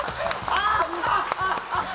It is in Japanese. アハハハ！